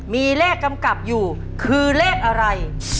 มีเลขกำกับอยู่คือเลขอะไร